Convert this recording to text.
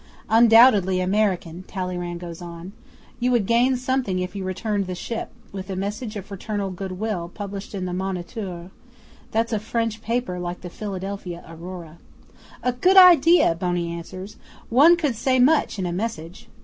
'"Undoubtedly American," Talleyrand goes on. "You would gain something if you returned the ship with a message of fraternal good will published in the MONITEUR" (that's a French paper like the Philadelphia AURORA). '"A good idea!" Boney answers. "One could say much in a message."